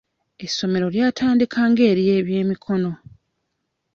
Essomero lyatandika nga ery'ebyemikono.